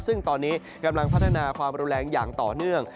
ซึ่งตอนนี้กำลังพัฒนาความรุนแรงอย่างต่อเนื่อง